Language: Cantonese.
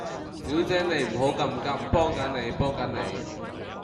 小姐你唔好咁急，幫緊你，幫緊你